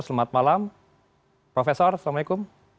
selamat malam prof assalamualaikum